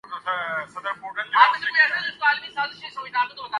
پر ہوا جام ارغواں کی طرح